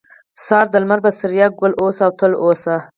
ځار د لمر بڅريه، ګل اوسې او تل اوسې